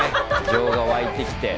情が湧いてきて。